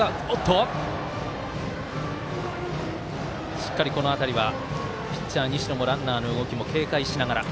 しっかり、この辺りはピッチャー西野もランナーの動き警戒しながら。